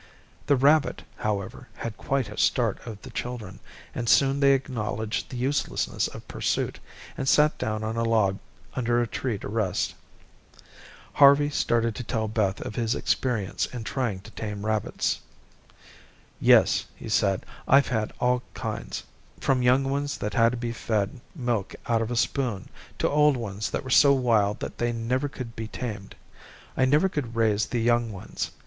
The rabbit, however, had quite a start of the children, and soon they acknowledged the uselessness of pursuit, and sat down on a log under a tree to rest. Harvey started to tell Beth of his experience in trying to tame rabbits. "Yes," he said, "I've had all kinds, from young ones that had to be fed milk out of a spoon to old ones that were so wild that they never could be tamed. I never could raise the young ones.